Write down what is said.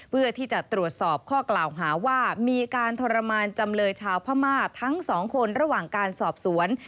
เพื่อที่จะตรวจสอบข้อกล่าวหาว่ามีการทรมานจำเลยชาวพม่าทั้งสองคนระหว่างการสอบสวน